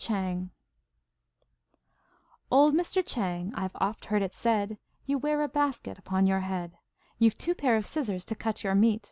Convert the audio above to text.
CHANG Old Mr. Chang, I've oft heard it said, You wear a basket upon your head; ^You've two pairs of scissors to cut your $ meat.